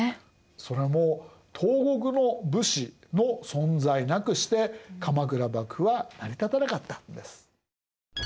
それも東国の武士の存在なくして鎌倉幕府は成り立たなかったんです。